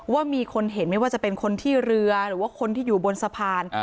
ว่ามีคนเห็นไม่ว่าจะเป็นคนที่เรือหรือว่าคนที่อยู่บนสะพาน